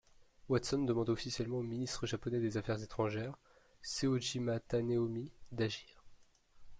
Watson demande officiellement au ministre japonais des Affaires étrangères, Soejima Taneomi, d'agir.